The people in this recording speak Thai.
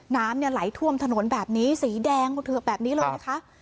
น้ำเนี่ยไหลท่วมถนนแบบนี้สีแดงแบบนี้เลยนะคะ